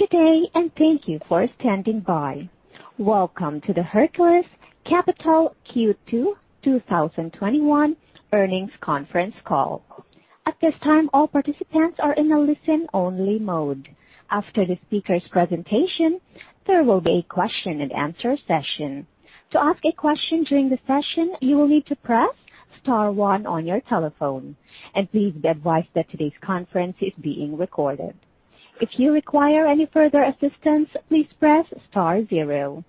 Good day. Thank you for standing by. Welcome to the Hercules Capital Q2 2021 Earnings Conference Call. At this time, all participants are in a listen-only mode. After the speaker's presentation, there will be a question-and-answer session. To ask a question during the session, you will need to press star one on your telephone. Please be advised that today's conference is being recorded. If you require any further assistance, please press star zero.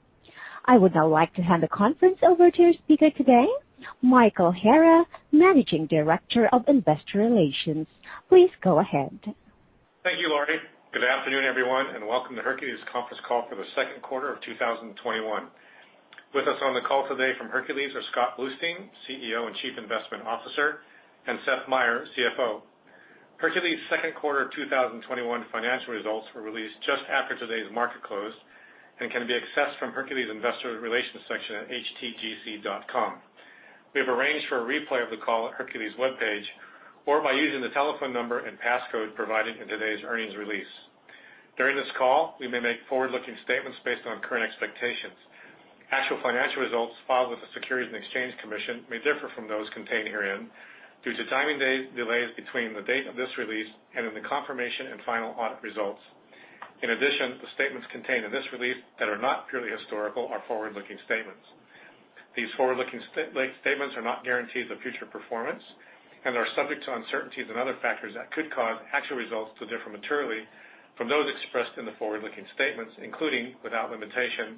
I would now like to hand the conference over to your speaker today, Michael Hara, Managing Director of Investor Relations. Please go ahead. Thank you, Laurie. Good afternoon, everyone, and welcome to Hercules conference call for the second quarter of 2021. With us on the call today from Hercules are Scott Bluestein, CEO and Chief Investment Officer, and Seth Meyer, CFO. Hercules Second Quarter 2021 financial results were released just after today's market close and can be accessed from Hercules investor relations section at htgc.com. We have arranged for a replay of the call at Hercules webpage or by using the telephone number and passcode provided in today's earnings release. During this call, we may make forward-looking statements based on current expectations. Actual financial results filed with the Securities and Exchange Commission may differ from those contained herein due to timing delays between the date of this release and in the confirmation and final audit results. In addition, the statements contained in this release that are not purely historical are forward-looking statements. These forward-looking statements are not guarantees of future performance and are subject to uncertainties and other factors that could cause actual results to differ materially from those expressed in the forward-looking statements, including without limitation,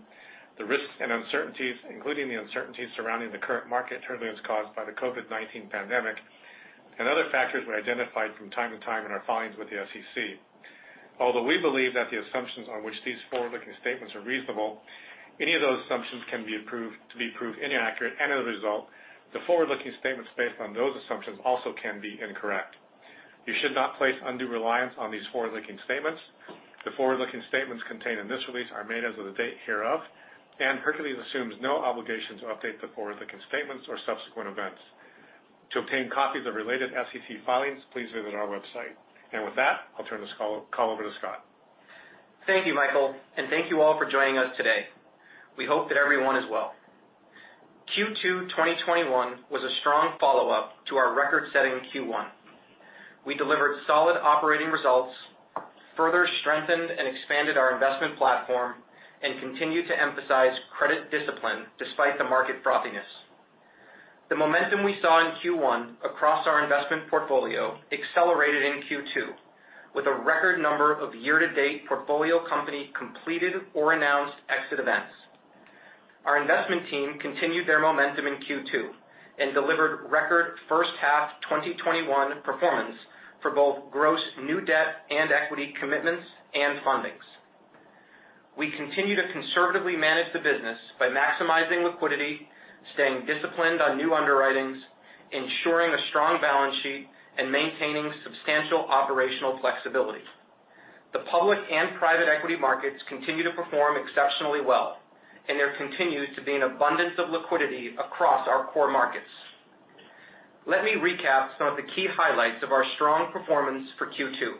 the risks and uncertainties, including the uncertainties surrounding the current market turbulence caused by the COVID-19 pandemic and other factors we identified from time to time in our filings with the SEC. Although we believe that the assumptions on which these forward-looking statements are reasonable, any of those assumptions can be proved to be inaccurate, and as a result, the forward-looking statements based on those assumptions also can be incorrect. You should not place undue reliance on these forward-looking statements. The forward-looking statements contained in this release are made as of the date hereof, and Hercules assumes no obligation to update the forward-looking statements or subsequent events. To obtain copies of related SEC filings, please visit our website. With that, I'll turn this call over to Scott. Thank you, Michael, and thank you all for joining us today. We hope that everyone is well. Q2 2021 was a strong follow-up to our record-setting Q1. We delivered solid operating results, further strengthened and expanded our investment platform, and continued to emphasize credit discipline despite the market frothiness. The momentum we saw in Q1 across our investment portfolio accelerated in Q2 with a record number of year-to-date portfolio company completed or announced exit events. Our investment team continued their momentum in Q2 and delivered record first half 2021 performance for both gross new debt and equity commitments and fundings. We continue to conservatively manage the business by maximizing liquidity, staying disciplined on new underwritings, ensuring a strong balance sheet, and maintaining substantial operational flexibility. The public and private equity markets continue to perform exceptionally well, and there continues to be an abundance of liquidity across our core markets. Let me recap some of the key highlights of our strong performance for Q2.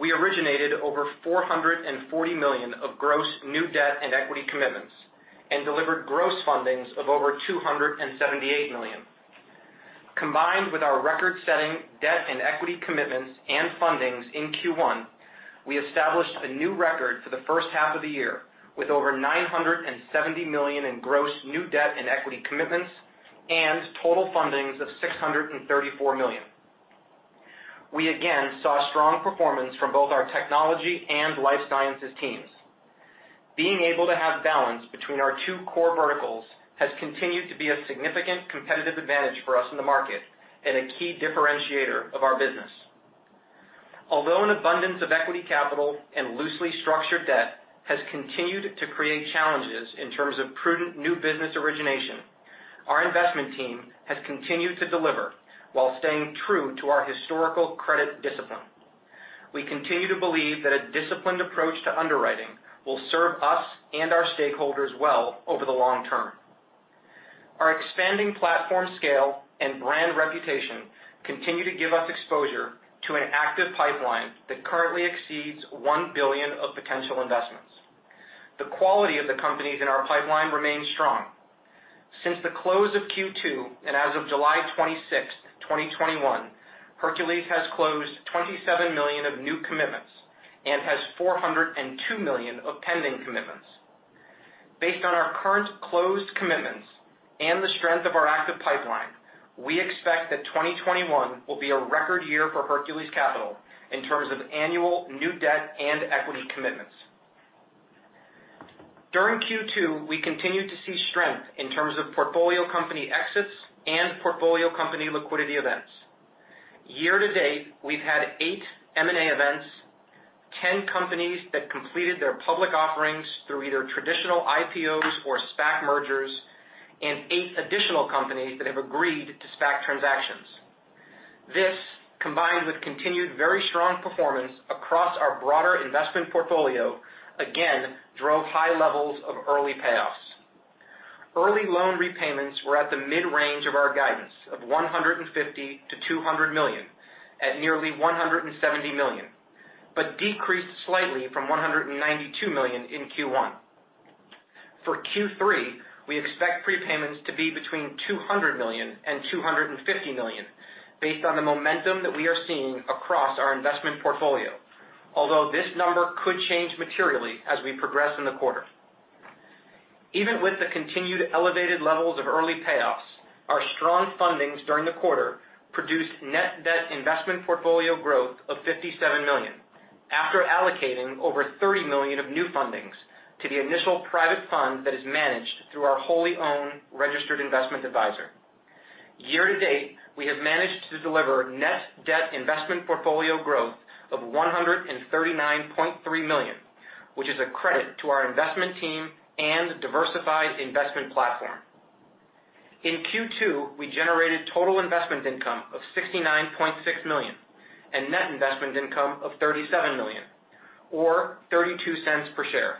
We originated over $440 million of gross new debt and equity commitments and delivered gross fundings of over $278 million. Combined with our record-setting debt and equity commitments and fundings in Q1, we established a new record for the first half of the year with over $970 million in gross new debt and equity commitments and total fundings of $634 million. We again saw strong performance from both our technology and life sciences teams. Being able to have balance between our two core verticals has continued to be a significant competitive advantage for us in the market and a key differentiator of our business. Although an abundance of equity capital and loosely structured debt has continued to create challenges in terms of prudent new business origination, our investment team has continued to deliver while staying true to our historical credit discipline. We continue to believe that a disciplined approach to underwriting will serve us and our stakeholders well over the long term. Our expanding platform scale and brand reputation continue to give us exposure to an active pipeline that currently exceeds $1 billion of potential investments. The quality of the companies in our pipeline remains strong. Since the close of Q2 and as of July 26th, 2021, Hercules has closed $27 million of new commitments and has $402 million of pending commitments. Based on our current closed commitments and the strength of our active pipeline, we expect that 2021 will be a record year for Hercules Capital in terms of annual new debt and equity commitments. During Q2, we continued to see strength in terms of portfolio company exits and portfolio company liquidity events. Year to date, we've had eight M&A events, 10 companies that completed their public offerings through either traditional IPOs or SPAC mergers, and eight additional companies that have agreed to SPAC transactions. This, combined with continued very strong performance across our broader investment portfolio, again drove high levels of early payoffs. Early loan repayments were at the mid-range of our guidance of $150 million-$200 million at nearly $170 million, but decreased slightly from $192 million in Q1. For Q3, we expect prepayments to be between $200 million and $250 million, based on the momentum that we are seeing across our investment portfolio, although this number could change materially as we progress in the quarter. Even with the continued elevated levels of early payoffs, our strong fundings during the quarter produced net debt investment portfolio growth of $57 million after allocating over $30 million of new fundings to the initial private fund that is managed through our wholly owned Registered Investment Adviser. Year to date, we have managed to deliver net debt investment portfolio growth of $139.3 million, which is a credit to our investment team and diversified investment platform. In Q2, we generated total investment income of $69.6 million and net investment income of $37 million, or $0.32 per share.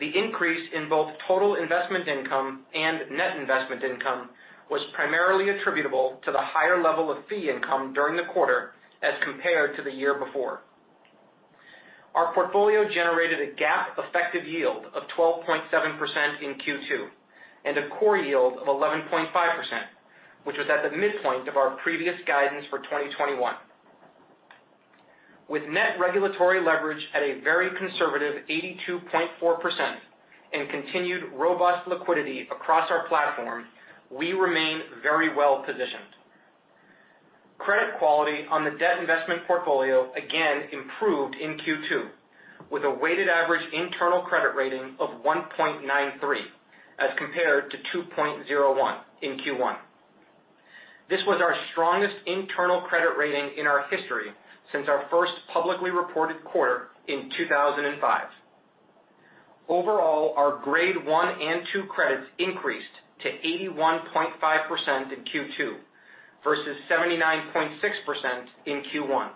The increase in both total investment income and net investment income was primarily attributable to the higher level of fee income during the quarter as compared to the year before. Our portfolio generated a GAAP effective yield of 12.7% in Q2 and a core yield of 11.5%, which was at the midpoint of our previous guidance for 2021. With net regulatory leverage at a very conservative 82.4% and continued robust liquidity across our platform, we remain very well-positioned. Credit quality on the debt investment portfolio again improved in Q2 with a weighted average internal credit rating of 1.93 as compared to 2.01 in Q1. This was our strongest internal credit rating in our history since our first publicly reported quarter in 2005. Overall, our grade 1 and 2 credits increased to 81.5% in Q2 versus 79.6% in Q1.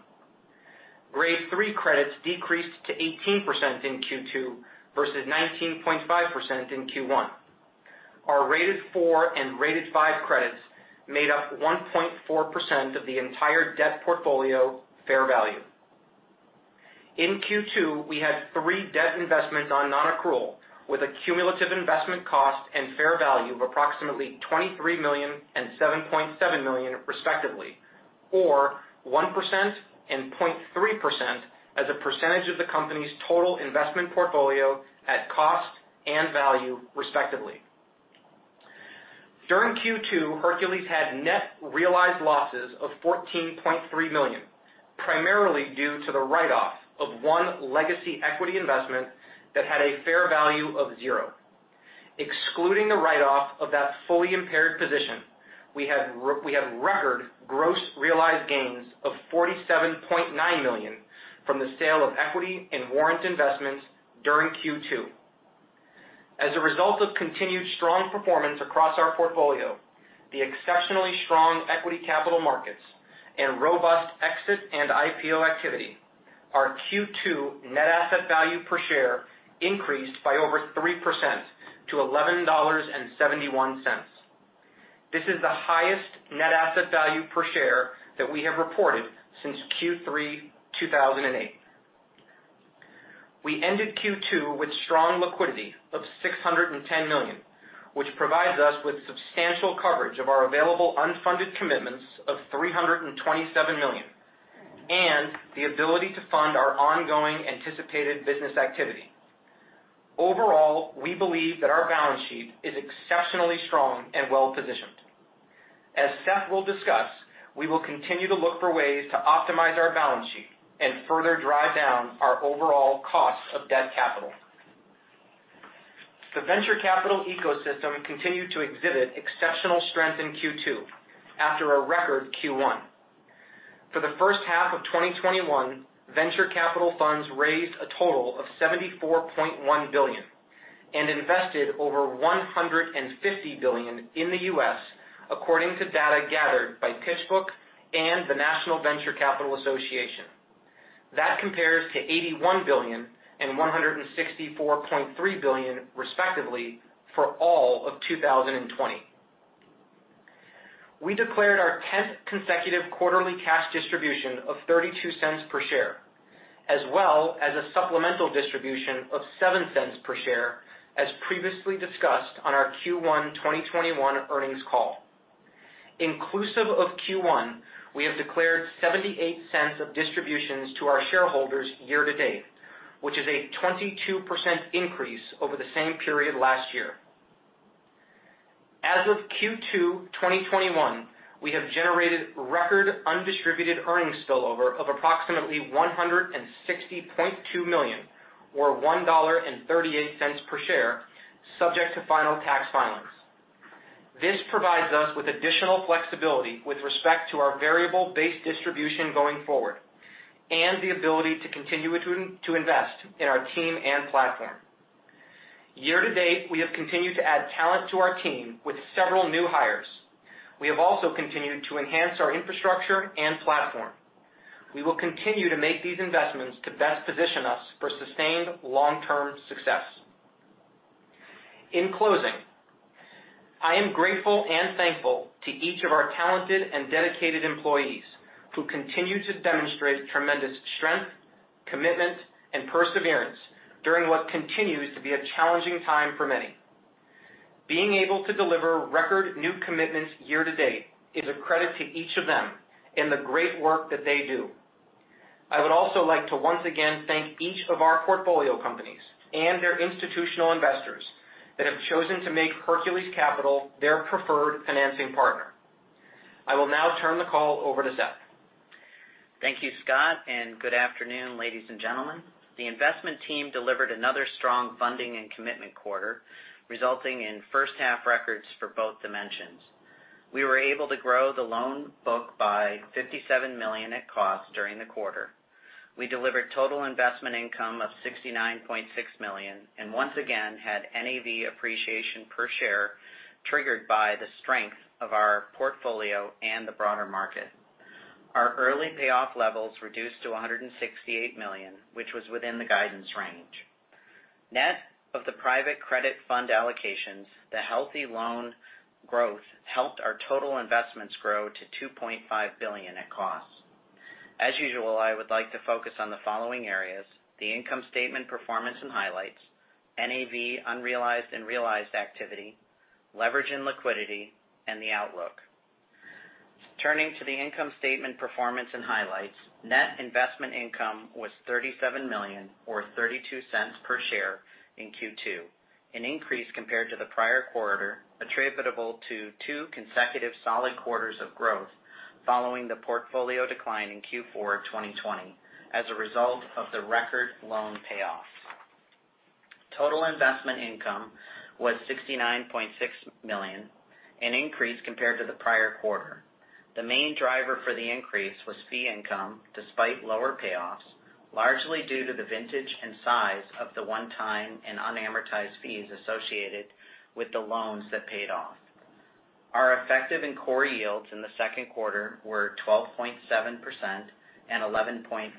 Grade 3 credits decreased to 18% in Q2 versus 19.5% in Q1. Our rated 4 and rated 5 credits made up 1.4% of the entire debt portfolio fair value. In Q2, we had three debt investments on non-accrual with a cumulative investment cost and fair value of approximately $23 million and $7.7 million, respectively, or 1% and 0.3% as a percentage of the company's total investment portfolio at cost and value, respectively. During Q2, Hercules had net realized losses of $14.3 million, primarily due to the write-off of one legacy equity investment that had a fair value of zero. Excluding the write-off of that fully impaired position, we had record gross realized gains of $47.9 million from the sale of equity and warrant investments during Q2. As a result of continued strong performance across our portfolio, the exceptionally strong equity capital markets and robust exit and IPO activity, our Q2 net asset value per share increased by over 3% to $11.71. This is the highest net asset value per share that we have reported since Q3 2008. We ended Q2 with strong liquidity of $610 million, which provides us with substantial coverage of our available unfunded commitments of $327 million and the ability to fund our ongoing anticipated business activity. Overall, we believe that our balance sheet is exceptionally strong and well-positioned. As Seth will discuss, we will continue to look for ways to optimize our balance sheet and further drive down our overall cost of debt capital. The venture capital ecosystem continued to exhibit exceptional strength in Q2 after a record Q1. For the first half of 2021, venture capital funds raised a total of $74.1 billion and invested over $150 billion in the U.S. according to data gathered by PitchBook and the National Venture Capital Association. That compares to $81 billion and $164.3 billion, respectively, for all of 2020. We declared our tenth consecutive quarterly cash distribution of $0.32 per share, as well as a supplemental distribution of $0.07 per share, as previously discussed on our Q1 2021 earnings call. Inclusive of Q1, we have declared $0.78 of distributions to our shareholders year to date, which is a 22% increase over the same period last year. As of Q2 2021, we have generated record undistributed earnings spillover of approximately $160.2 million, or $1.38 per share, subject to final tax filings. This provides us with additional flexibility with respect to our variable base distribution going forward and the ability to continue to invest in our team and platform. Year to date, we have continued to add talent to our team with several new hires. We have also continued to enhance our infrastructure and platform. We will continue to make these investments to best position us for sustained long-term success. In closing, I am grateful and thankful to each of our talented and dedicated employees who continue to demonstrate tremendous strength, commitment, and perseverance during what continues to be a challenging time for many. Being able to deliver record new commitments year to date is a credit to each of them and the great work that they do. I would also like to once again thank each of our portfolio companies and their institutional investors that have chosen to make Hercules Capital their preferred financing partner. I will now turn the call over to Seth. Thank you, Scott. Good afternoon, ladies and gentlemen. The investment team delivered another strong funding and commitment quarter, resulting in first half records for both dimensions. We were able to grow the loan book by $57 million at cost during the quarter. We delivered total investment income of $69.6 million, and once again had NAV appreciation per share triggered by the strength of our portfolio and the broader market. Our early payoff levels reduced to $168 million, which was within the guidance range. Net of the private credit fund allocations, the healthy loan growth helped our total investments grow to $2.5 billion at cost. As usual, I would like to focus on the following areas, the income statement performance and highlights, NAV unrealized and realized activity, leverage and liquidity, and the outlook. Turning to the income statement performance and highlights, net investment income was $37 million, or $0.32 per share in Q2, an increase compared to the prior quarter, attributable to two consecutive solid quarters of growth following the portfolio decline in Q4 of 2020 as a result of the record loan payoffs. Total investment income was $69.6 million, an increase compared to the prior quarter. The main driver for the increase was fee income, despite lower payoffs, largely due to the vintage and size of the one-time and unamortized fees associated with the loans that paid off. Our effective and core yields in the second quarter were 12.7% and 11.5%,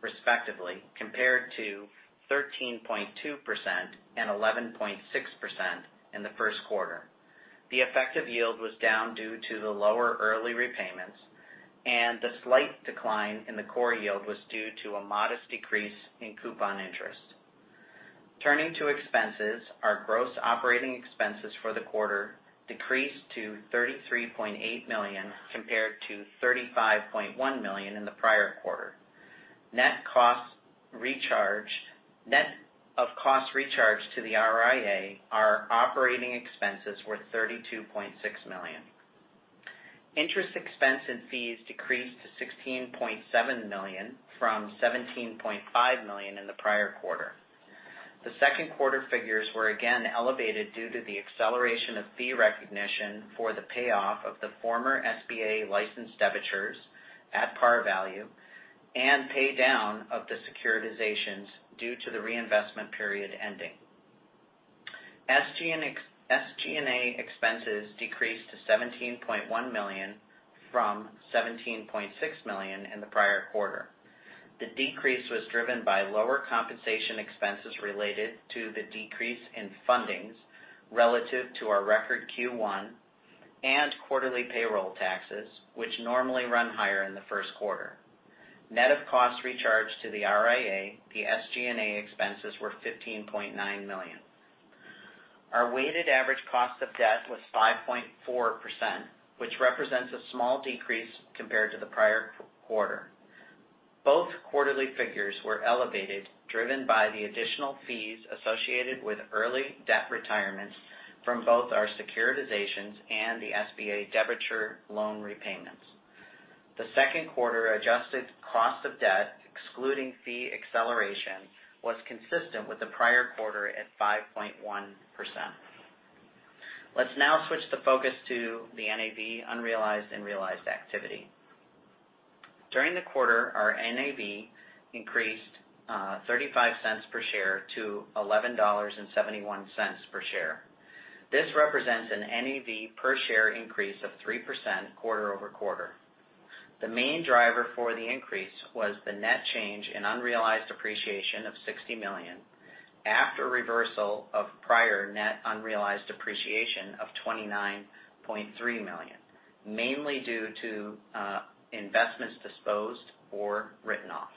respectively, compared to 13.2% and 11.6% in the first quarter. The effective yield was down due to the lower early repayments, and the slight decline in the core yield was due to a modest decrease in coupon interest. Turning to expenses, our gross operating expenses for the quarter decreased to $33.8 million compared to $35.1 million in the prior quarter. Net of costs recharged to the RIA, our operating expenses were $32.6 million. Interest expense and fees decreased to $16.7 million from $17.5 million in the prior quarter. The second quarter figures were again elevated due to the acceleration of fee recognition for the payoff of the former SBA licensed debentures at par value and pay down of the securitizations due to the reinvestment period ending. SG&A expenses decreased to $17.1 million from $17.6 million in the prior quarter. The decrease was driven by lower compensation expenses related to the decrease in fundings relative to our record Q1 and quarterly payroll taxes, which normally run higher in the first quarter. Net of costs recharged to the RIA, the SG&A expenses were $15.9 million. Our weighted average cost of debt was 5.4%, which represents a small decrease compared to the prior quarter. Both quarterly figures were elevated, driven by the additional fees associated with early debt retirements from both our securitizations and the SBA debenture loan repayments. The second quarter adjusted cost of debt, excluding fee acceleration, was consistent with the prior quarter at 5.1%. Let's now switch the focus to the NAV unrealized and realized activity. During the quarter, our NAV increased $0.35 per share-$11.71 per share. This represents an NAV per share increase of 3% quarter-over-quarter. The main driver for the increase was the net change in unrealized appreciation of $60 million, after reversal of prior net unrealized appreciation of $29.3 million, mainly due to investments disposed or written off.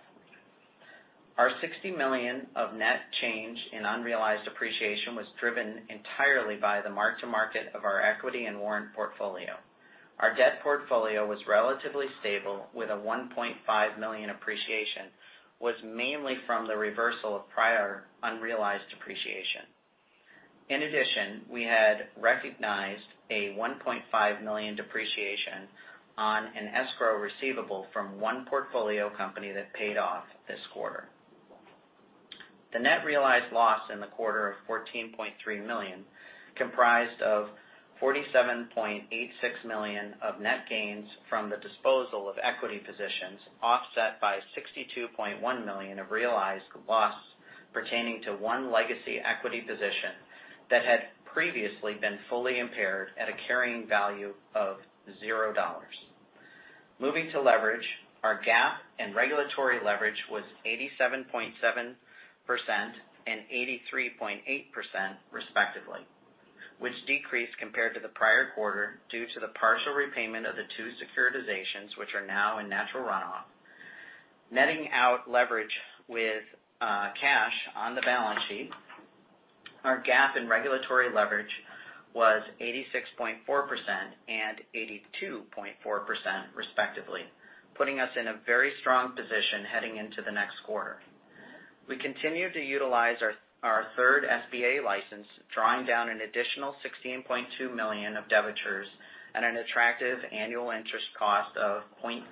Our $60 million of net change in unrealized appreciation was driven entirely by the mark to market of our equity and warrant portfolio. Our debt portfolio was relatively stable with a $1.5 million appreciation, was mainly from the reversal of prior unrealized appreciation. In addition, we had recognized a $1.5 million depreciation on an escrow receivable from one portfolio company that paid off this quarter. The net realized loss in the quarter of $14.3 million comprised of $47.86 million of net gains from the disposal of equity positions, offset by $62.1 million of realized loss pertaining to one legacy equity position that had previously been fully impaired at a carrying value of $0. Moving to leverage, our GAAP and regulatory leverage was 87.7% and 83.8%, respectively. Which decreased compared to the prior quarter due to the partial repayment of the two securitizations which are now in natural runoff. Netting out leverage with cash on the balance sheet. Our GAAP and regulatory leverage was 86.4% and 82.4%, respectively, putting us in a very strong position heading into the next quarter. We continue to utilize our third SBA license, drawing down an additional $16.2 million of debentures at an attractive annual interest cost of 0.71%.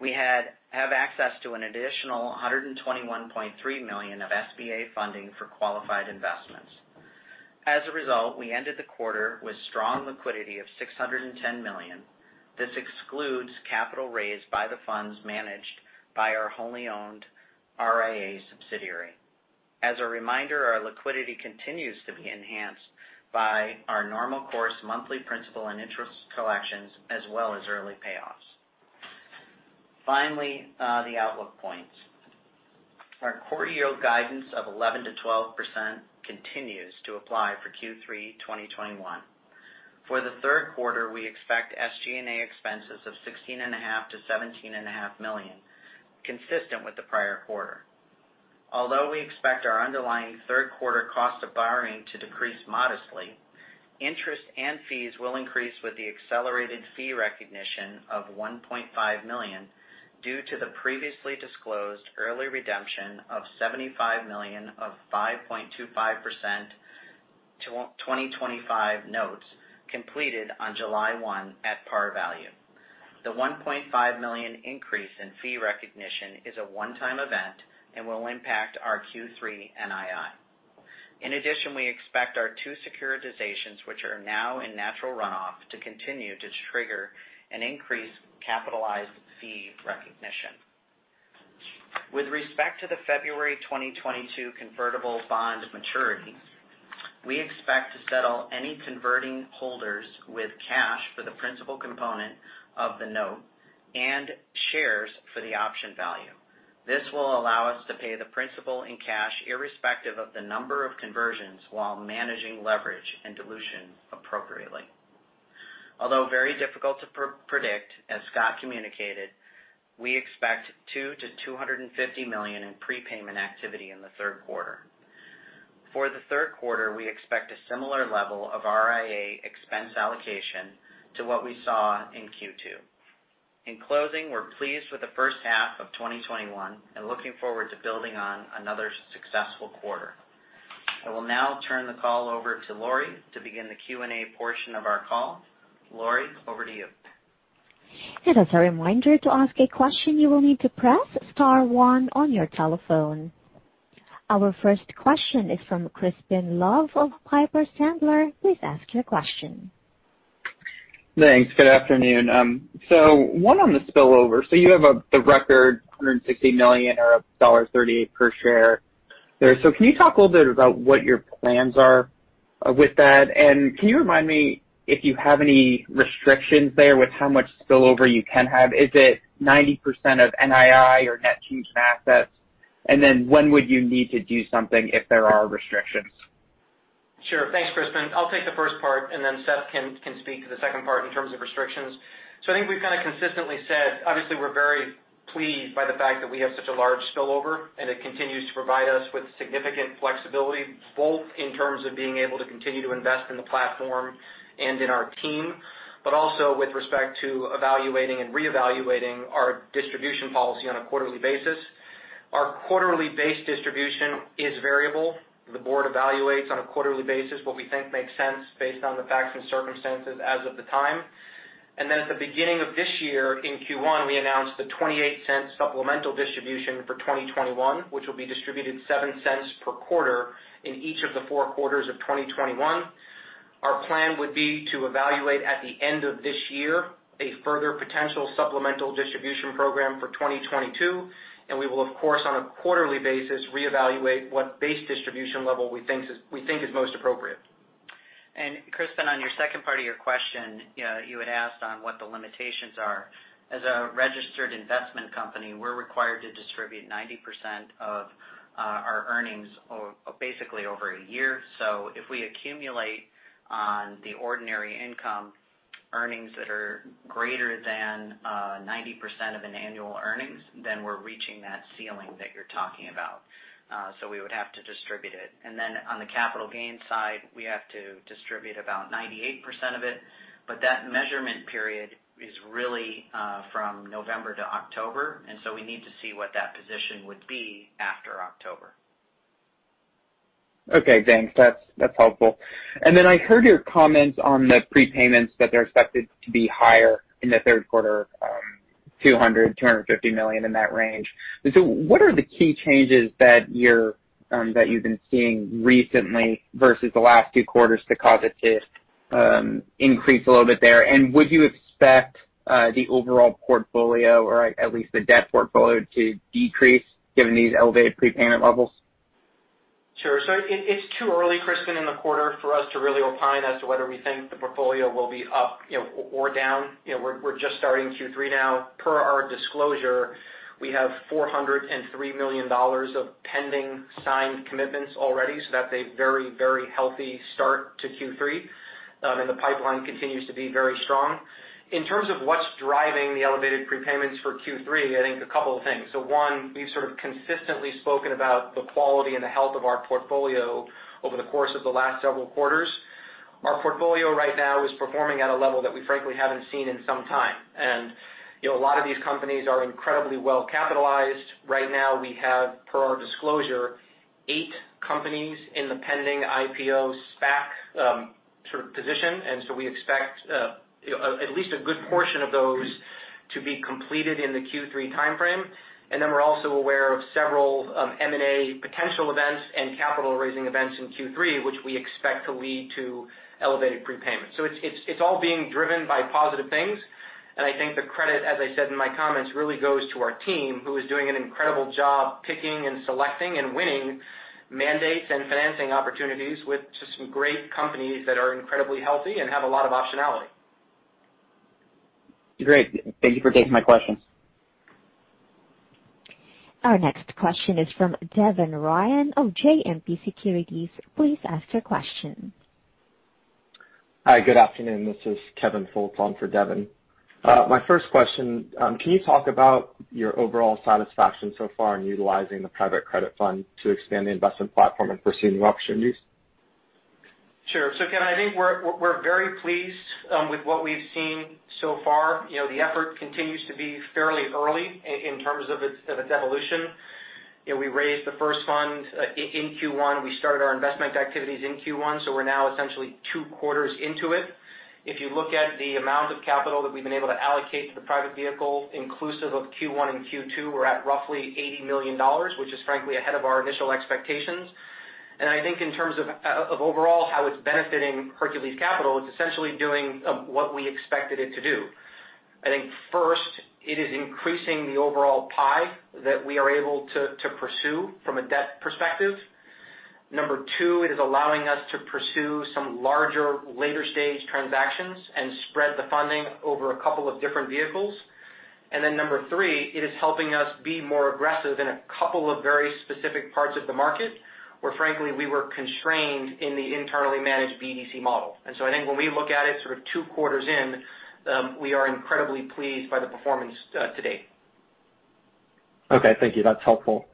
We have access to an additional $121.3 million of SBA funding for qualified investments. We ended the quarter with strong liquidity of $610 million. This excludes capital raised by the funds managed by our wholly owned RIA subsidiary. As a reminder, our liquidity continues to be enhanced by our normal course monthly principal and interest collections, as well as early payoffs. The outlook points. Our core yield guidance of 11%-12% continues to apply for Q3 2021. For the third quarter, we expect SG&A expenses of $16.5 million-$17.5 million, consistent with the prior quarter. Although we expect our underlying third quarter cost of borrowing to decrease modestly, interest and fees will increase with the accelerated fee recognition of $1.5 million due to the previously disclosed early redemption of $75 million of 5.25% 2025 notes completed on July 1 at per value. The $1.5 million increase in fee recognition is a one-time event and will impact our Q3 NII. In addition, we expect our two securitizations, which are now in natural runoff, to continue to trigger an increased capitalized fee recognition. With respect to the February 2022 convertible bond maturity, we expect to settle any converting holders with cash for the principal component of the note and shares for the option value. This will allow us to pay the principal in cash irrespective of the number of conversions while managing leverage and dilution appropriately. Although very difficult to predict, as Scott communicated, we expect $2 million-$250 million in prepayment activity in the third quarter. For the third quarter, we expect a similar level of RIA expense allocation to what we saw in Q2. In closing, we're pleased with the first half of 2021 and looking forward to building on another successful quarter. I will now turn the call over to Lori to begin the Q&A portion of our call. Lori, over to you. As a reminder, to ask a question, you will need to press star one on your telephone. Our first question is from Crispin Love of Piper Sandler. Please ask your question. Thanks. Good afternoon. One on the spillover. You have the record $160 million or $1.38 per share there. Can you talk a little bit about what your plans are with that? Can you remind me if you have any restrictions there with how much spillover you can have? Is it 90% of NII or net change in assets? When would you need to do something if there are restrictions? Sure. Thanks, Crispin. I'll take the first part, and then Seth can speak to the second part in terms of restrictions. I think we've kind of consistently said, obviously, we're very pleased by the fact that we have such a large spillover, and it continues to provide us with significant flexibility, both in terms of being able to continue to invest in the platform and in our team. Also with respect to evaluating and reevaluating our distribution policy on a quarterly basis. Our quarterly base distribution is variable. The board evaluates on a quarterly basis what we think makes sense based on the facts and circumstances as of the time. At the beginning of this year, in Q1, we announced the $0.28 supplemental distribution for 2021, which will be distributed $0.07 per quarter in each of the four quarters of 2021. Our plan would be to evaluate at the end of this year a further potential supplemental distribution program for 2022. We will, of course, on a quarterly basis, reevaluate what base distribution level we think is most appropriate. Crispin, on your second part of your question, you had asked on what the limitations are. As a registered investment company, we're required to distribute 90% of our earnings basically over a year. If we accumulate on the ordinary income earnings that are greater than 90% of an annual earnings, we're reaching that ceiling that you're talking about. We would have to distribute it. On the capital gains side, we have to distribute about 98% of it. That measurement period is really from November to October. We need to see what that position would be after October. Okay, thanks. That's helpful. I heard your comments on the prepayments, that they're expected to be higher in the third quarter, $200 million-$250 million, in that range. What are the key changes that you've been seeing recently versus the last two quarters to cause it to? Increase a little bit there. Would you expect the overall portfolio, or at least the debt portfolio, to decrease given these elevated prepayment levels? Sure. It's too early, Crispin, in the quarter for us to really opine as to whether we think the portfolio will be up or down. We're just starting Q3 now. Per our disclosure, we have $403 million of pending signed commitments already, so that's a very, very healthy start to Q3. The pipeline continues to be very strong. In terms of what's driving the elevated prepayments for Q3, I think a couple of things. One, we've sort of consistently spoken about the quality and the health of our portfolio over the course of the last several quarters. Our portfolio right now is performing at a level that we frankly haven't seen in some time. A lot of these companies are incredibly well-capitalized. Right now, we have, per our disclosure, eight companies in the pending IPO SPAC position. We expect at least a good portion of those to be completed in the Q3 timeframe. We are also aware of several M&A potential events and capital-raising events in Q3, which we expect to lead to elevated prepayment. It is all being driven by positive things, and I think the credit, as I said in my comments, really goes to our team, who is doing an incredible job picking and selecting and winning mandates and financing opportunities with just some great companies that are incredibly healthy and have a lot of optionality. Great. Thank you for taking my questions. Our next question is from Devin Ryan of JMP Securities. Please ask your question. Hi. Good afternoon. This is Kevin Fultz for Devin. My first question, can you talk about your overall satisfaction so far in utilizing the private credit fund to expand the investment platform and pursue new opportunities? Sure. Kevin, I think we're very pleased with what we've seen so far. The effort continues to be fairly early in terms of its evolution. We raised the first fund in Q1. We started our investment activities in Q1, so we're now essentially two quarters into it. If you look at the amount of capital that we've been able to allocate to the private vehicle, inclusive of Q1 and Q2, we're at roughly $80 million, which is frankly ahead of our initial expectations. I think in terms of overall how it's benefiting Hercules Capital, it's essentially doing what we expected it to do. I think first, it is increasing the overall pie that we are able to pursue from a debt perspective. Number two, it is allowing us to pursue some larger later-stage transactions and spread the funding over a couple of different vehicles. Number three, it is helping us be more aggressive in a couple of very specific parts of the market where frankly we were constrained in the internally managed BDC model. I think when we look at it sort of two quarters in, we are incredibly pleased by the performance to date. Okay, thank you. That's helpful.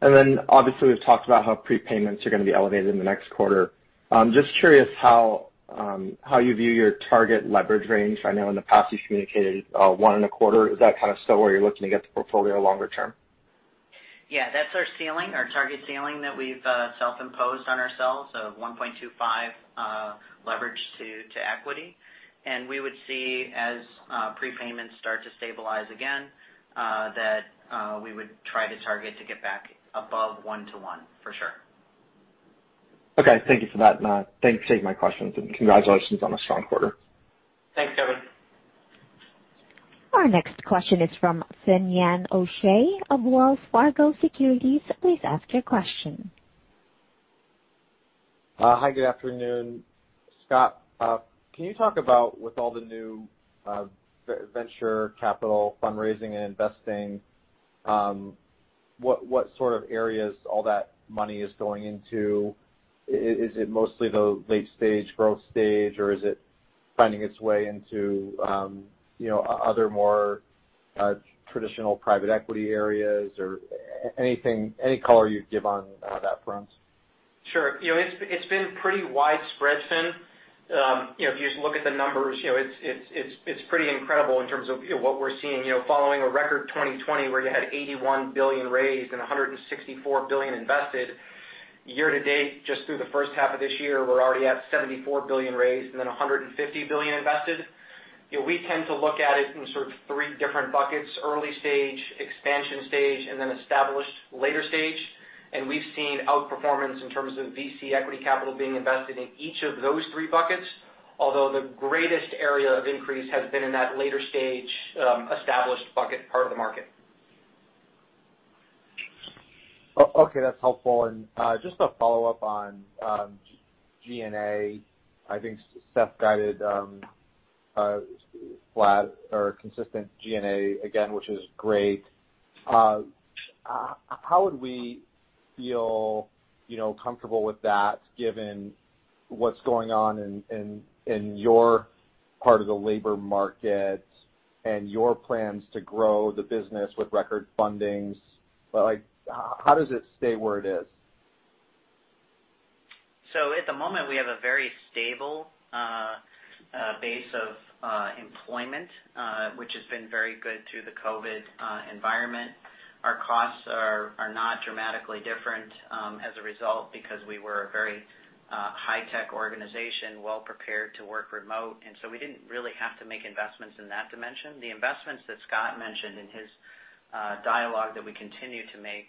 Obviously, we've talked about how prepayments are going to be elevated in the next quarter. Just curious how you view your target leverage range. I know in the past you've communicated one and a quarter. Is that kind of still where you're looking to get the portfolio longer term? Yeah, that's our ceiling, our target ceiling that we've self-imposed on ourselves of 1.25 leverage to equity. We would see as prepayments start to stabilize again that we would try to target to get back above 1x1, for sure. Okay, thank you for that. Thanks for taking my questions, and congratulations on a strong quarter. Thanks, Kevin. Our next question is from Finian O'Shea of Wells Fargo Securities. Please ask your question. Hi, good afternoon. Scott, can you talk about, with all the new venture capital fundraising and investing, what sort of areas all that money is going into? Is it mostly the late stage, growth stage, or is it finding its way into other more traditional private equity areas? Any color you'd give on that front? Sure. It's been pretty widespread, Fin. If you just look at the numbers, it's pretty incredible in terms of what we're seeing. Following a record 2020, where you had $81 billion raised and $164 billion invested, year to date, just through the first half of this year, we're already at $74 billion raised and then $150 billion invested. We tend to look at it in sort of three different buckets, early stage, expansion stage, and then established later stage. We've seen outperformance in terms of VC equity capital being invested in each of those three buckets. Although the greatest area of increase has been in that later stage established bucket part of the market. Okay, that's helpful. Just a follow-up on G&A. I think Seth guided flat or consistent G&A again, which is great. How would we feel comfortable with that given what's going on in your part of the labor market and your plans to grow the business with record fundings? How does it stay where it is? At the moment, we have a very stable base of employment, which has been very good through the COVID-19 environment. Our costs are not dramatically different as a result because we were a very high-tech organization, well prepared to work remote, and so we didn't really have to make investments in that dimension. The investments that Scott mentioned in his dialogue that we continue to make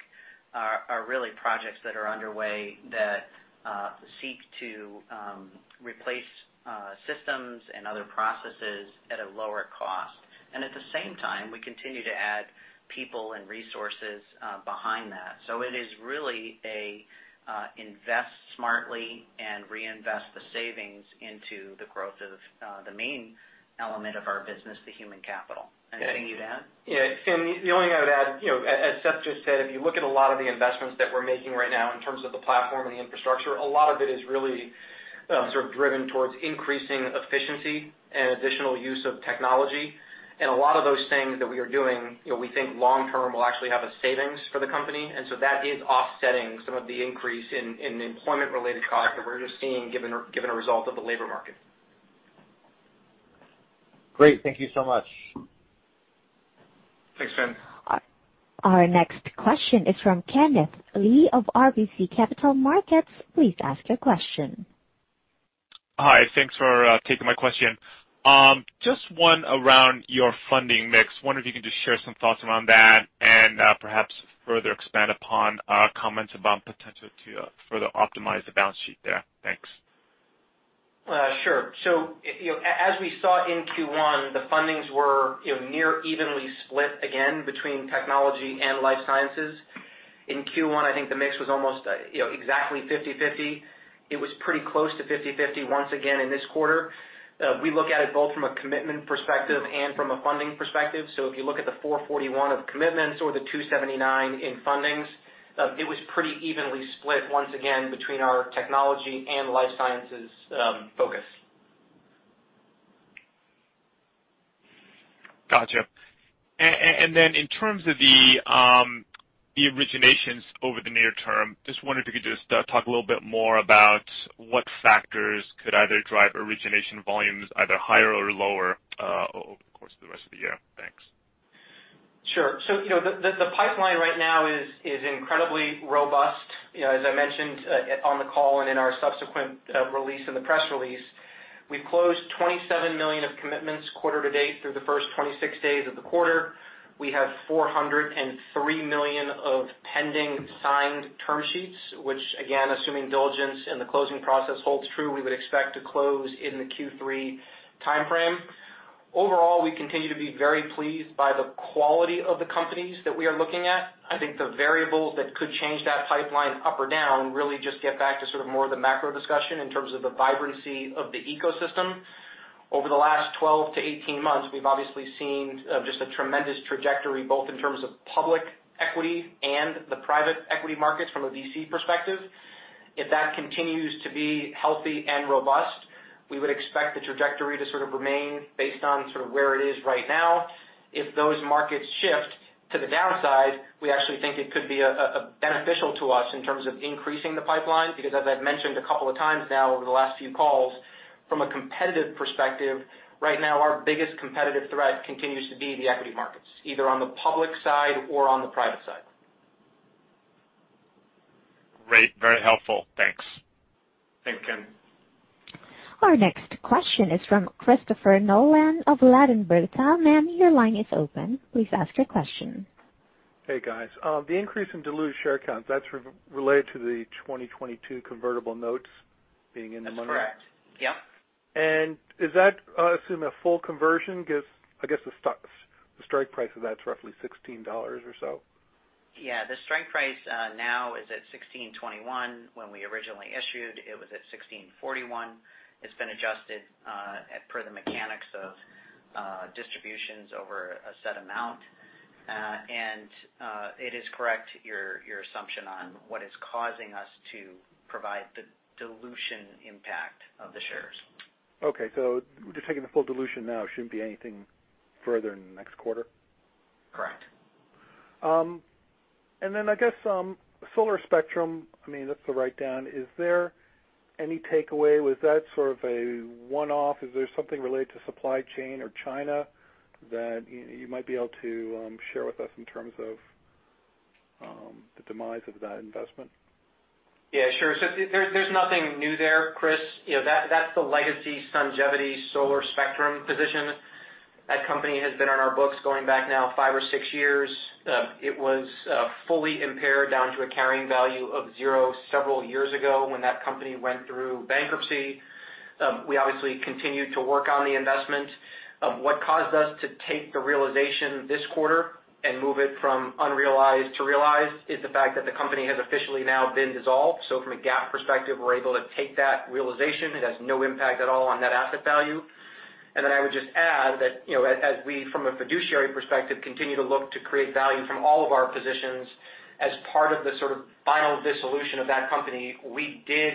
are really projects that are underway that seek to replace systems and other processes at a lower cost. At the same time, we continue to add people and resources behind that. It is really a invest smartly and reinvest the savings into the growth of the main element of our business, the human capital. Anything you'd add? Yeah. The only thing I would add, as Seth just said, if you look at a lot of the investments that we're making right now in terms of the platform and the infrastructure, a lot of it is really sort of driven towards increasing efficiency and additional use of technology. A lot of those things that we are doing, we think long term will actually have a savings for the company. That is offsetting some of the increase in employment-related costs that we're just seeing given a result of the labor market. Great. Thank you so much. Thanks, Fin. Our next question is from Kenneth Lee of RBC Capital Markets. Please ask your question. Hi. Thanks for taking my question. Just one around your funding mix. Wonder if you could just share some thoughts around that and perhaps further expand upon comments about potential to further optimize the balance sheet there. Thanks. Sure. As we saw in Q1, the fundings were near evenly split again between technology and life sciences. In Q1, I think the mix was almost exactly 50/50. It was pretty close to 50/50 once again in this quarter. We look at it both from a commitment perspective and from a funding perspective. If you look at the $441 of commitments or the $279 in fundings, it was pretty evenly split once again between our technology and life sciences focus. Gotcha. In terms of the originations over the near term, just wonder if you could just talk a little bit more about what factors could either drive origination volumes either higher or lower over the course of the rest of the year? Thanks. Sure. The pipeline right now is incredibly robust. As I mentioned on the call and in our subsequent release, in the press release, we've closed $27 million of commitments quarter to date through the first 26 days of the quarter. We have $403 million of pending signed term sheets, which again, assuming diligence in the closing process holds true, we would expect to close in the Q3 timeframe. Overall, we continue to be very pleased by the quality of the companies that we are looking at. I think the variables that could change that pipeline up or down really just get back to sort of more the macro discussion in terms of the vibrancy of the ecosystem. Over the last 12-18 months, we've obviously seen just a tremendous trajectory, both in terms of public equity and the private equity markets from a VC perspective. If that continues to be healthy and robust, we would expect the trajectory to sort of remain based on sort of where it is right now. If those markets shift to the downside, we actually think it could be beneficial to us in terms of increasing the pipeline, because as I've mentioned a couple of times now over the last few calls, from a competitive perspective, right now, our biggest competitive threat continues to be the equity markets, either on the public side or on the private side. Great. Very helpful. Thanks. Thanks, Ken. Our next question is from Christopher Nolan of Ladenburg Thalmann. Your line is open. Please ask your question. Hey, guys. The increase in diluted share counts, that's related to the 2022 convertible notes being in the money? That's correct. Yep. Is that, I assume, a full conversion? I guess the strike price of that's roughly $16 or so. Yeah, the strike price now is at $16.21. When we originally issued, it was at $16.41. It's been adjusted per the mechanics of distributions over a set amount. It is correct, your assumption on what is causing us to provide the dilution impact of the shares. Okay, just taking the full dilution now shouldn't be anything further in the next quarter? Correct. I guess Solar Spectrum, I mean, that's the write-down. Is there any takeaway? Was that sort of a one-off? Is there something related to supply chain or China that you might be able to share with us in terms of the demise of that investment? Yeah, sure. There's nothing new there, Chris. That's the legacy Sungevity Solar Spectrum position. That company has been on our books going back now five or six years. It was fully impaired down to a carrying value of zero several years ago when that company went through bankruptcy. We obviously continued to work on the investment. What caused us to take the realization this quarter and move it from unrealized to realized is the fact that the company has officially now been dissolved. From a GAAP perspective, we're able to take that realization. It has no impact at all on that asset value. I would just add that as we, from a fiduciary perspective, continue to look to create value from all of our positions as part of the sort of final dissolution of that company, we did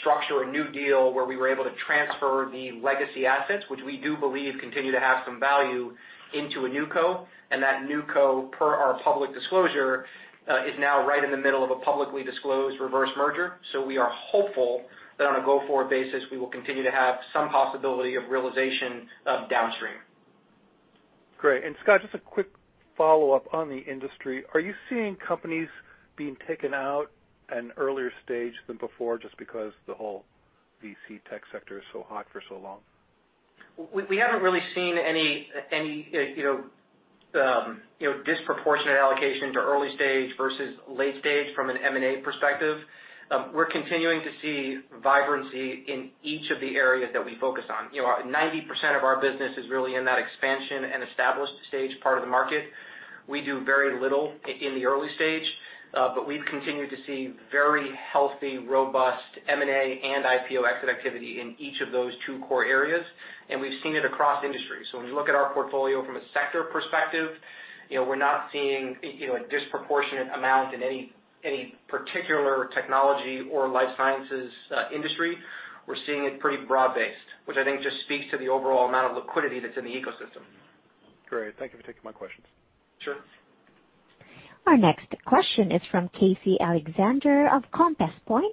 structure a new deal where we were able to transfer the legacy assets, which we do believe continue to have some value into a new co. That new co per our public disclosure, is now right in the middle of a publicly disclosed reverse merger. We are hopeful that on a go-forward basis, we will continue to have some possibility of realization downstream. Great. Scott, just a quick follow-up on the industry. Are you seeing companies being taken out an earlier stage than before just because the whole VC tech sector is so hot for so long? We haven't really seen any disproportionate allocation to early stage versus late stage from an M&A perspective. We're continuing to see vibrancy in each of the areas that we focus on. 90% of our business is really in that expansion and established stage part of the market. We do very little in the early stage, but we've continued to see very healthy, robust M&A and IPO exit activity in each of those two core areas, and we've seen it across industries. When we look at our portfolio from a sector perspective, we're not seeing a disproportionate amount in any particular technology or life sciences industry. We're seeing it pretty broad-based, which I think just speaks to the overall amount of liquidity that's in the ecosystem. Great. Thank you for taking my questions. Sure. Our next question is from Casey Alexander of Compass Point.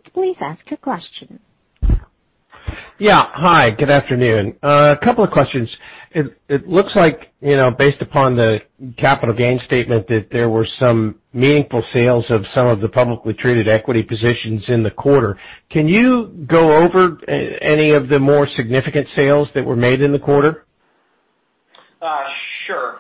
Yeah. Hi, good afternoon. A couple of questions. It looks like, based upon the capital gains statement, that there were some meaningful sales of some of the publicly traded equity positions in the quarter. Can you go over any of the more significant sales that were made in the quarter? Sure.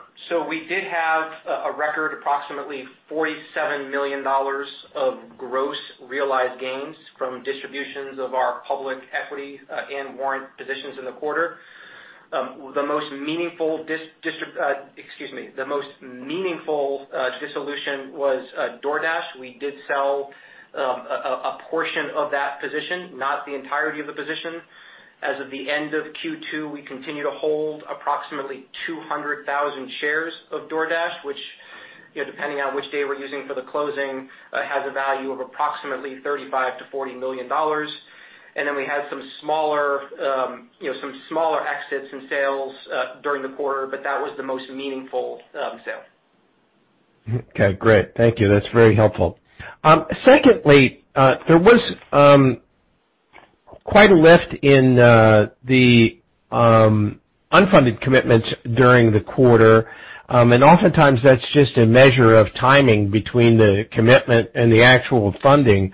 We did have a record approximately $47 million of gross realized gains from distributions of our public equity and warrant positions in the quarter. The most meaningful dissolution was DoorDash. We did sell a portion of that position, not the entirety of the position. As of the end of Q2, we continue to hold approximately 200,000 shares of DoorDash, which, depending on which day we're using for the closing, has a value of approximately $35 million-$40 million. We had some smaller exits and sales during the quarter, but that was the most meaningful sale. Okay, great. Thank you. That's very helpful. Secondly, there was quite a lift in the unfunded commitments during the quarter. Oftentimes, that's just a measure of timing between the commitment and the actual funding.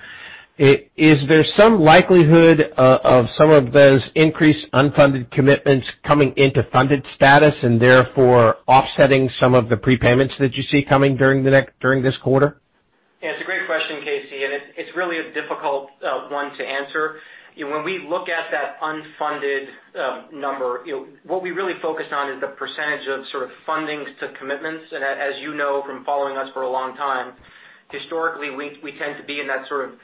Is there some likelihood of some of those increased unfunded commitments coming into funded status and therefore offsetting some of the prepayments that you see coming during this quarter? Yeah, it's a great question, Casey, and it's really a difficult one to answer. When we look at that unfunded number, what we really focus on is the percentage of sort of fundings to commitments. As you know from following us for a long time, historically, we tend to be in that sort of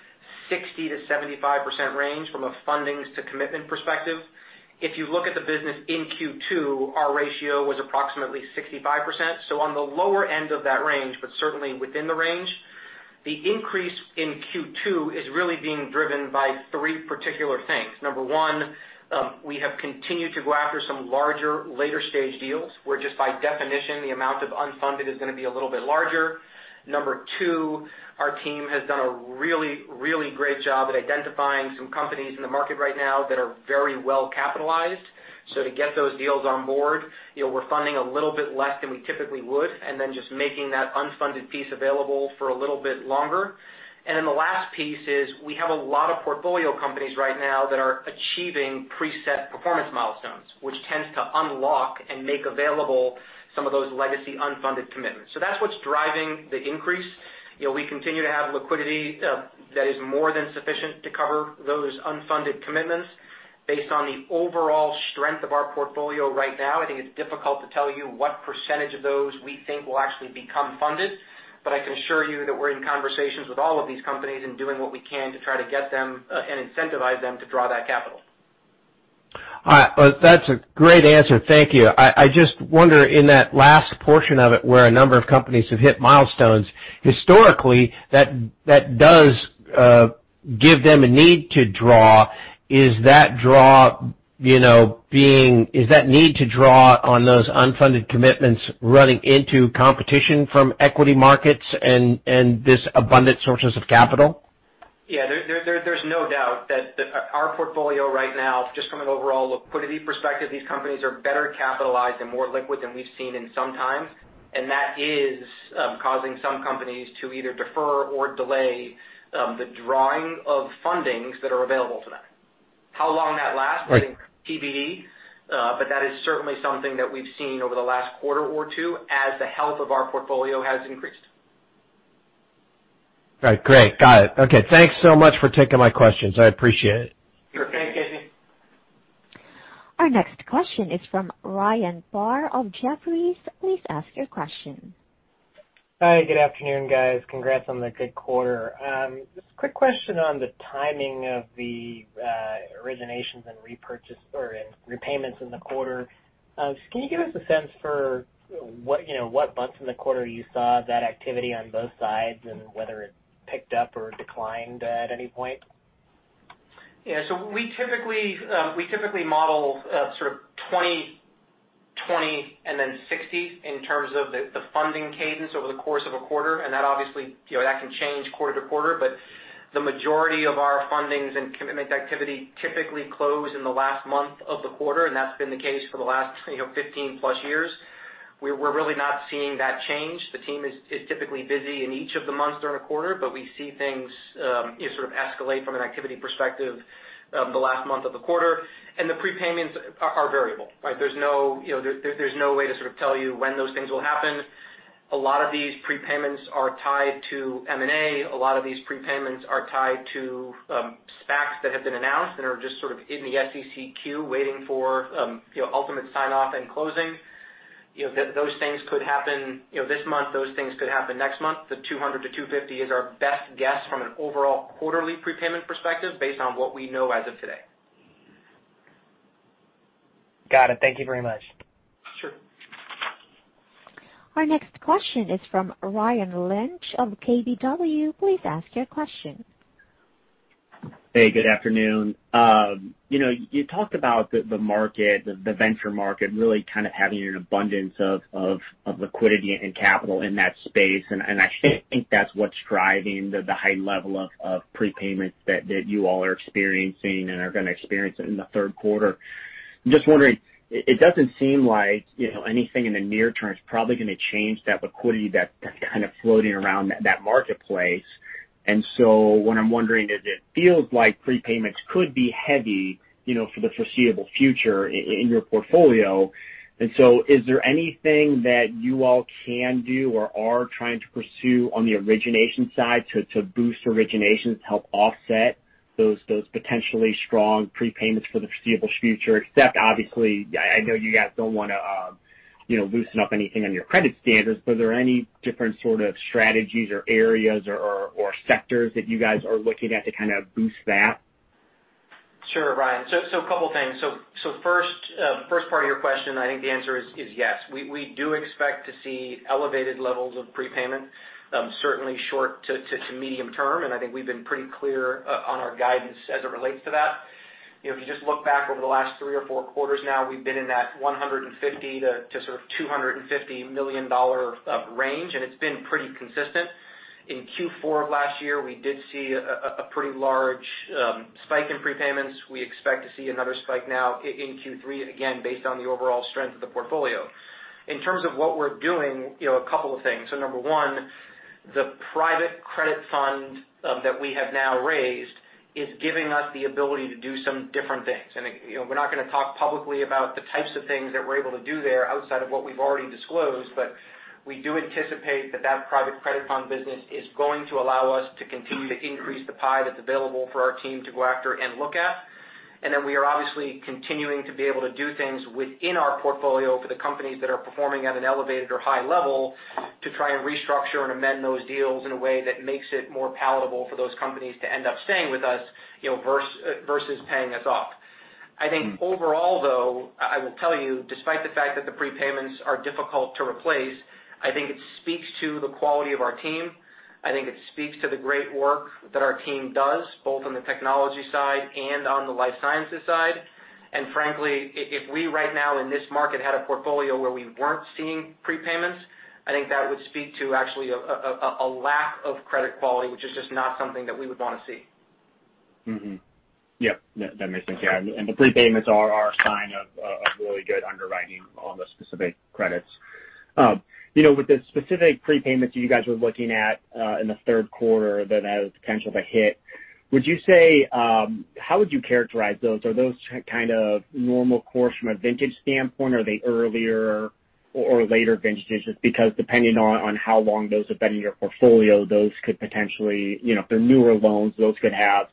60%-75% range from a fundings to commitment perspective. If you look at the business in Q2, our ratio was approximately 65%, on the lower end of that range, but certainly within the range. The increase in Q2 is really being driven by three particular things. Number one, we have continued to go after some larger later stage deals, where just by definition, the amount of unfunded is going to be a little bit larger. Number two, our team has done a really, really great job at identifying some companies in the market right now that are very well capitalized. To get those deals on board, we're funding a little bit less than we typically would, and then just making that unfunded piece available for a little bit longer. The last piece is we have a lot of portfolio companies right now that are achieving preset performance milestones, which tends to unlock and make available some of those legacy unfunded commitments. That's what's driving the increase. We continue to have liquidity that is more than sufficient to cover those unfunded commitments. Based on the overall strength of our portfolio right now, I think it's difficult to tell you what % of those we think will actually become funded. I can assure you that we're in conversations with all of these companies and doing what we can to try to get them and incentivize them to draw that capital. All right. That's a great answer, thank you. I just wonder in that last portion of it, where a number of companies have hit milestones, historically, that does give them a need to draw. Is that need to draw on those unfunded commitments running into competition from equity markets and these abundant sources of capital? There's no doubt that our portfolio right now, just from an overall liquidity perspective, these companies are better capitalized and more liquid than we've seen in some time, and that is causing some companies to either defer or delay the drawing of fundings that are available to them. How long that lasts. Right I think TBD. That is certainly something that we've seen over the last quarter or two as the health of our portfolio has increased. Great. Got it. Thanks so much for taking my questions. I appreciate it. Sure thing, Casey. Our next question is from Ryan Carr of Jefferies. Please ask your question. Hi, good afternoon, guys. Congrats on the good quarter. Just a quick question on the timing of the originations and repayments in the quarter. Can you give us a sense for what months in the quarter you saw that activity on both sides and whether it picked up or declined at any point? Yeah, we typically model sort of 20/20 and then 60% in terms of the funding cadence over the course of a quarter, and that obviously can change quarter to quarter. The majority of our fundings and commitment activity typically close in the last month of the quarter, and that's been the case for the last 15+ years. We're really not seeing that change. The team is typically busy in each of the months during a quarter, but we see things sort of escalate from an activity perspective the last month of the quarter. The prepayments are variable, right? There's no way to sort of tell you when those things will happen. A lot of these prepayments are tied to M&A. A lot of these prepayments are tied to SPACs that have been announced and are just sort of in the SEC queue waiting for ultimate sign-off and closing. Those things could happen this month, those things could happen next month. The $200-$250 is our best guess from an overall quarterly prepayment perspective based on what we know as of today. Got it. Thank you very much. Sure. Our next question is from Ryan Lynch of KBW. Please ask your question. Hey, good afternoon. You talked about the venture market really kind of having an abundance of liquidity and capital in that space, and I think that's what's driving the high level of prepayments that you all are experiencing and are going to experience in the third quarter. I'm just wondering, it doesn't seem like anything in the near term is probably going to change that liquidity that's kind of floating around that marketplace. What I'm wondering is, it feels like prepayments could be heavy for the foreseeable future in your portfolio. Is there anything that you all can do or are trying to pursue on the origination side to boost originations to help offset those potentially strong prepayments for the foreseeable future? Except obviously, I know you guys don't want to loosen up anything on your credit standards, are there any different sort of strategies or areas or sectors that you guys are looking at to kind of boost that? Sure, Ryan. A couple things. First part of your question, I think the answer is yes. We do expect to see elevated levels of prepayment, certainly short to medium term, and I think we've been pretty clear on our guidance as it relates to that. If you just look back over the last three or four quarters, now we've been in that $150 million to sort of $250 million of range, and it's been pretty consistent. In Q4 of last year, we did see a pretty large spike in prepayments. We expect to see another spike now in Q3, again, based on the overall strength of the portfolio. In terms of what we're doing, a couple of things. Number one, the private credit fund that we have now raised is giving us the ability to do some different things. We're not going to talk publicly about the types of things that we're able to do there outside of what we've already disclosed. We do anticipate that private credit fund business is going to allow us to continue to increase the pie that's available for our team to go after and look at. We are obviously continuing to be able to do things within our portfolio for the companies that are performing at an elevated or high level to try and restructure and amend those deals in a way that makes it more palatable for those companies to end up staying with us versus paying us off. I think overall, though, I will tell you, despite the fact that the prepayments are difficult to replace, I think it speaks to the quality of our team. I think it speaks to the great work that our team does, both on the technology side and on the life sciences side. Frankly, if we right now in this market had a portfolio where we weren't seeing prepayments, I think that would speak to actually a lack of credit quality, which is just not something that we would want to see. Yep. That makes sense. Yeah. The prepayments are a sign of really good underwriting on the specific credits. With the specific prepayments you guys were looking at in the third quarter that has potential to hit, how would you characterize those? Are those kind of normal course from a vintage standpoint? Are they earlier or later vintages? Depending on how long those have been in your portfolio, those could potentially, if they're newer loans, those could have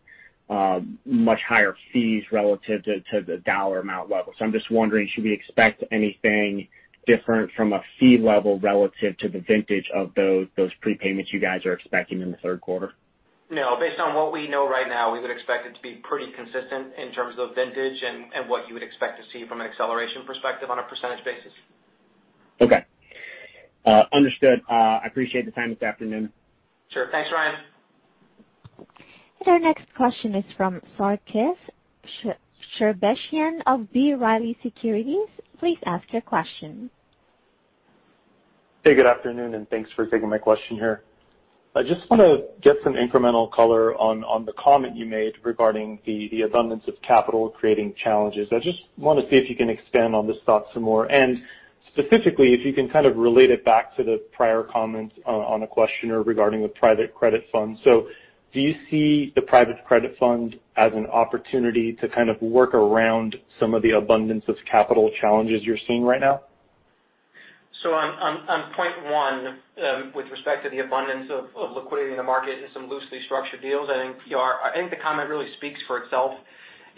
much higher fees relative to the dollar amount level. I'm just wondering, should we expect anything different from a fee level relative to the vintage of those prepayments you guys are expecting in the third quarter? No. Based on what we know right now, we would expect it to be pretty consistent in terms of vintage and what you would expect to see from an acceleration perspective on a percentage basis. Okay. Understood. I appreciate the time this afternoon. Sure. Thanks, Ryan. Our next question is from Sarkis Sherbetchyan of B. Riley Securities. Please ask your question. Hey, good afternoon, and thanks for taking my question here. I just want to get some incremental color on the comment you made regarding the abundance of capital creating challenges. I just want to see if you can expand on this thought some more, and specifically, if you can kind of relate it back to the prior comments on the questioner regarding the private credit fund. Do you see the private credit fund as an opportunity to kind of work around some of the abundance of capital challenges you're seeing right now? On point one, with respect to the abundance of liquidity in the market and some loosely structured deals, I think the comment really speaks for itself.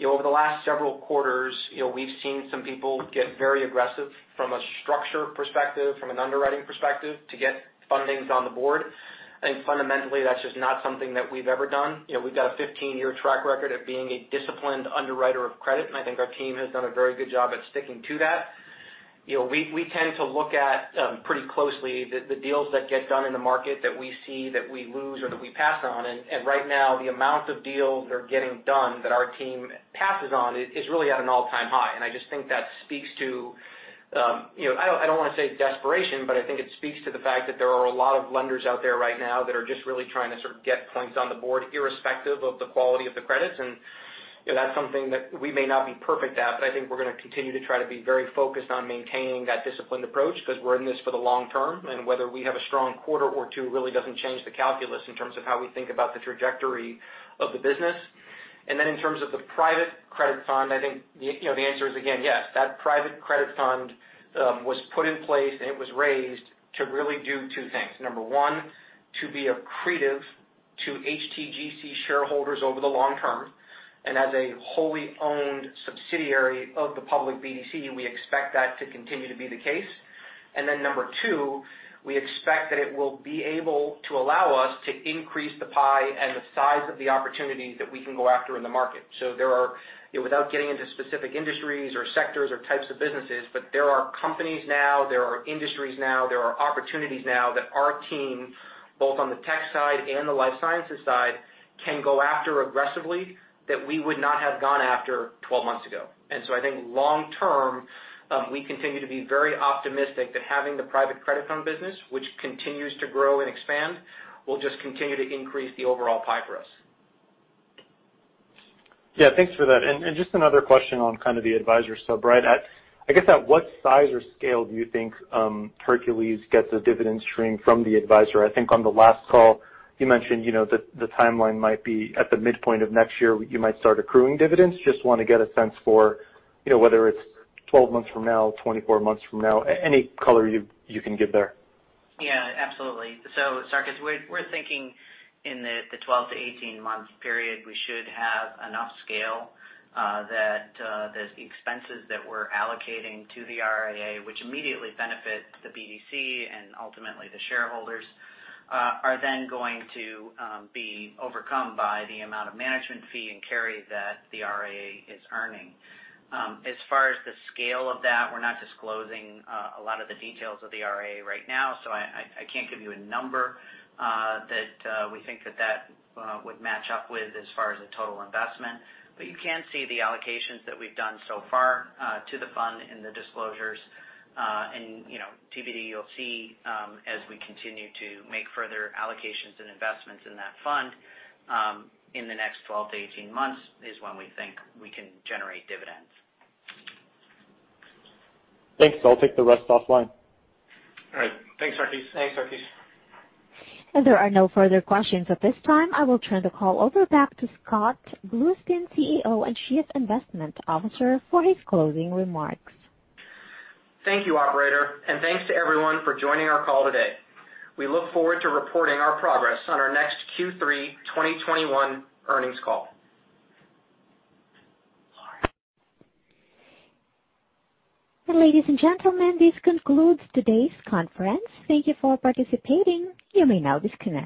Over the last several quarters, we've seen some people get very aggressive from a structure perspective, from an underwriting perspective to get fundings on the board. I think fundamentally, that's just not something that we've ever done. We've got a 15-year track record of being a disciplined underwriter of credit, and I think our team has done a very good job at sticking to that. We tend to look at pretty closely the deals that get done in the market that we see that we lose or that we pass on. Right now, the amount of deals that are getting done that our team passes on is really at an all-time high. I just think that speaks to, I don't want to say desperation, but I think it speaks to the fact that there are a lot of lenders out there right now that are just really trying to sort of get points on the board irrespective of the quality of the credits. That's something that we may not be perfect at, but I think we're going to continue to try to be very focused on maintaining that disciplined approach because we're in this for the long term, and whether we have a strong quarter or two really doesn't change the calculus in terms of how we think about the trajectory of the business. In terms of the private credit fund, I think the answer is again, yes. That private credit fund was put in place and it was raised to really do two things. Number one, to be accretive to HTGC shareholders over the long term, as a wholly owned subsidiary of the public BDC, we expect that to continue to be the case. Number two, we expect that it will be able to allow us to increase the pie and the size of the opportunities that we can go after in the market. There are, without getting into specific industries or sectors or types of businesses, but there are companies now, there are industries now, there are opportunities now that our team, both on the tech side and the life sciences side, can go after aggressively that we would not have gone after 12 months ago. I think long term, we continue to be very optimistic that having the private credit fund business, which continues to grow and expand, will just continue to increase the overall pie for us. Yeah, thanks for that. Just another question on kind of the advisor sub, Brian. I guess at what size or scale do you think Hercules gets a dividend stream from the advisor? I think on the last call you mentioned the timeline might be at the midpoint of next year, you might start accruing dividends. Just want to get a sense for whether it's 12 months from now, 24 months from now, any color you can give there. Yeah, absolutely. Sarkis, we're thinking in the 12-18-month period, we should have enough scale that the expenses that we're allocating to the RIA, which immediately benefit the BDC and ultimately the shareholders, are then going to be overcome by the amount of management fee and carry that the RIA is earning. As far as the scale of that, we're not disclosing a lot of the details of the RIA right now, so I can't give you a number that we think that that would match up with as far as the total investment. You can see the allocations that we've done so far to the fund in the disclosures. TBD, you'll see as we continue to make further allocations and investments in that fund in the next 12-18 months is when we think we can generate dividends. Thanks. I'll take the rest offline. All right. Thanks, Sarkis. Thanks, Sarkis. As there are no further questions at this time, I will turn the call over back to Scott Bluestein, CEO and Chief Investment Officer, for his closing remarks. Thank you, Operator, and thanks to everyone for joining our call today. We look forward to reporting our progress on our next Q3 2021 earnings call. Ladies and gentlemen, this concludes today's conference. Thank you for participating. You may now disconnect.